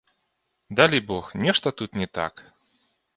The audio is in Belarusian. Далібог, нешта тут не так.